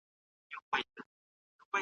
تبذير دولت کمزوری کوي.